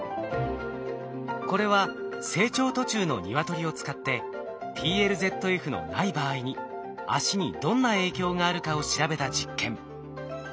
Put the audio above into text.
これは成長途中のニワトリを使ってＰＬＺＦのない場合に足にどんな影響があるかを調べた実験。